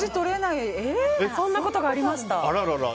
そんなことがありました。